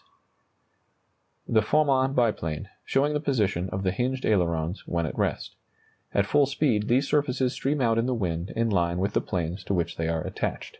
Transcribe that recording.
[Illustration: The Farman biplane, showing the position of the hinged ailerons when at rest. At full speed these surfaces stream out in the wind in line with the planes to which they are attached.